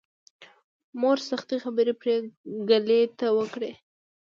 مور سختې خبرې پري ګلې ته وکړې